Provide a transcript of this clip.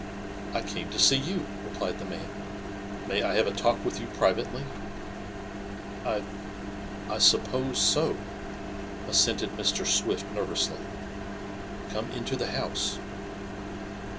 "I came to see you," replied the man. "May I have a talk with you privately?" "I I suppose so," assented Mr. Swift nervously. "Come into the house." Mr.